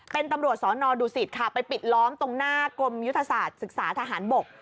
เป็นตำรวจสอนอดูสิตค่ะไปปิดล้อมตรงหน้ากรมยุทธศาสตร์ศึกษาทหารบก